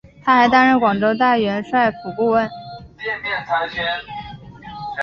他还担任广州大元帅府顾问。